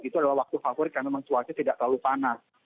itu adalah waktu favorit karena memang cuaca tidak terlalu panas